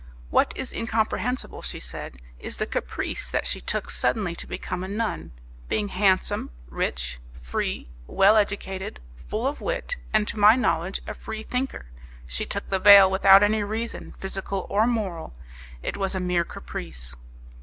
"What is incomprehensible," she said, "is the caprice that she took suddenly to become a nun, being handsome, rich, free, well educated, full of wit, and, to my knowledge, a Free thinker. She took the veil without any reason, physical or moral; it was a mere caprice."